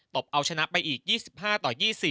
บเอาชนะไปอีก๒๕ต่อ๒๐